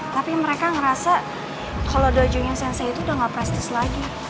tapi mereka ngerasa kalau dojo nya sensei itu udah gak prestis lagi